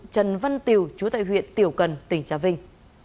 trần văn tiều chú tại huyện tiểu cần tỉnh trà vinh